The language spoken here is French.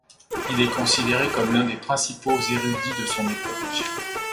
Il est considéré comme l'un des principaux érudits de son époque.